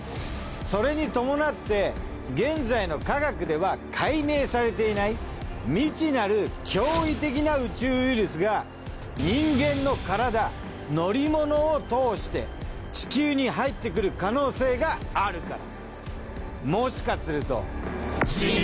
それに伴って現在の科学では解明されていない未知なる脅威的な宇宙ウイルスが人間の体乗り物を通して地球に入ってくる可能性があるから。